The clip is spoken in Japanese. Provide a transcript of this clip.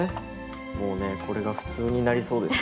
もうねこれが普通になりそうですよ。